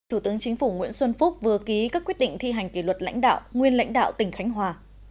thủ tướng chính phủ nguyễn xuân phúc vừa ký các quyết định thi hành kỷ luật lãnh đạo nguyên lãnh đạo tỉnh khánh hòa